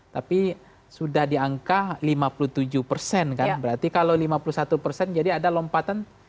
tapi sudah diangka lima puluh tujuh kan berarti kalau lima puluh satu jadi ada lompatan